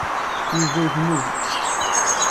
Yuba yekmez.